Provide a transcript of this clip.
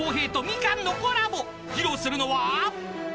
［披露するのは］